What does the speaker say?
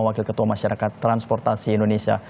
wakil ketua masyarakat transportasi indonesia